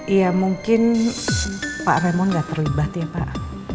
iya mungkin pak raymond gak terlibat ya pak